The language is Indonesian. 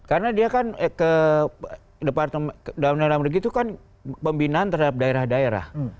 karena dia kan ke departemen dalam negeri itu kan pembinaan terhadap daerah daerah